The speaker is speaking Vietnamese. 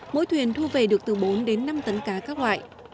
mỗi thuyền thu về được từ bốn đến năm tấn cá các loại